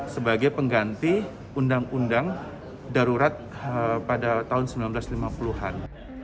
sebagai pengganti undang undang darurat pada tahun seribu sembilan ratus lima puluh an